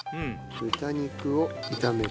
豚肉を炒める。